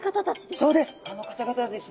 そうです！